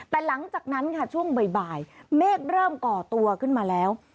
แต่หลังจากนั้นค่ะช่วงบ่ายเมฆเริ่มก่อตัวขึ้นมาแล้ว